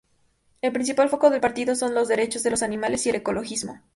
El principal foco del partido son los derechos de los animales y el ecologismo.